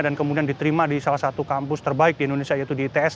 dan kemudian diterima di salah satu kampus terbaik di indonesia yaitu di its